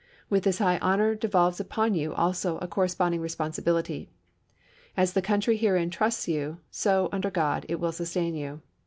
With this high honor devolves upon you, also, a corresponding responsibility. As the country herein trusts you, so, under God, it will sustain you.